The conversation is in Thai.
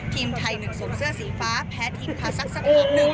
ทีมไทย๑สูงเสื้อสีฟ้าแผนทีมพระศักดิ์ทรัพย์๑๒๐รวด